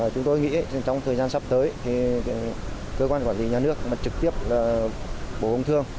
chúng tôi nghĩ trong thời gian sắp tới thì cơ quan quản lý nhà nước trực tiếp bổ công thương